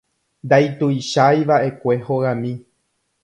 Ndatuichaiva'ekue hogami.